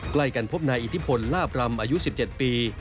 ใกล้กันพบนายอิทธิพลลาบรำอายุ๑๗ปี